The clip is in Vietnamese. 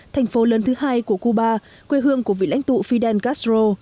thành phố lớn thứ hai của cuba quê hương của vị lãnh tụ fidel castro